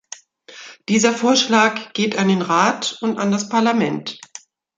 Dieser Vorschlag geht an den Rat und an das Parlament.